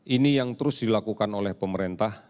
ini yang terus dilakukan oleh pemerintah